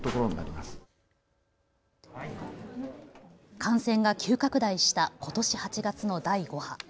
感染が急拡大したことし８月の第５波。